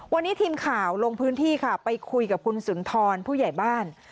วันนี้ทีมข่าวลงพื้นที่ค่ะไปคุยกับคุณสุนทรผู้ใหญ่บ้าน